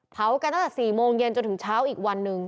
เผากันตั้งแต่๔โมงเย็นจนถึงเช้าอีกวันหนึ่ง